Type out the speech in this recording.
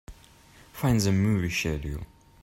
Fine the movie schedule.